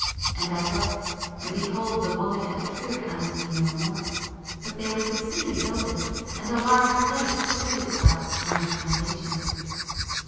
And I looked, and behold the woman appeared unto me no more, but there was a city builded, and a large place showed itself from the foundations."